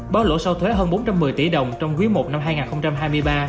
báo lỗ sau thuế hơn bốn trăm một mươi tỷ đồng trong quý i năm hai nghìn hai mươi ba